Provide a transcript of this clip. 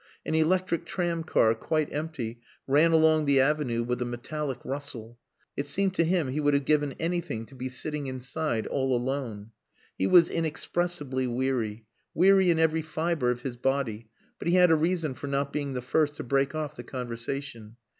An electric tramcar, quite empty, ran along the avenue with a metallic rustle. It seemed to him he would have given anything to be sitting inside all alone. He was inexpressibly weary, weary in every fibre of his body, but he had a reason for not being the first to break off the conversation.